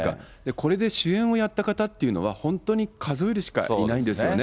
これで主演をやった方っていうのは、本当に数えるしかいないんですよね。